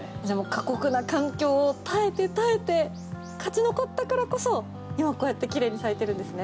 過酷な環境を耐えて耐えて勝ち残ったからこそ今、こうやって奇麗に咲いているんですね。